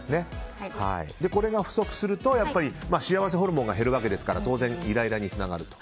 これが不足すると幸せホルモンが減るわけですから当然、イライラにつながると。